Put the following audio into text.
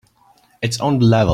It's on the level.